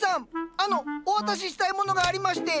あのお渡ししたいものがありまして。